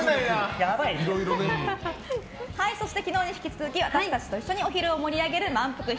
そして昨日に引き続き私たちと一緒にお昼を盛り上げるまんぷく昼